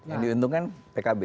yang diuntungkan pkb